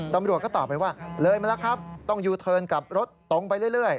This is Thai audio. ตำรวจก็ตอบไปว่าเลยมาแล้วครับต้องยูเทิร์นกลับรถตรงไปเรื่อย